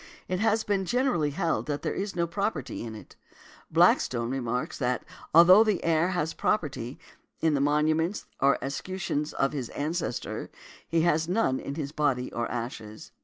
It has been generally held that there is no property in it. Blackstone remarks, that, although the heir has a property in the monuments or escutcheons of his ancestor, he has none in his body or ashes.